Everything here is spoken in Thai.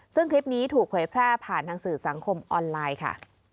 ซึ่งคลิปนี้ถูกเผยแพร่ผ่านทางสื่อสังคมออนไลน์ค่ะ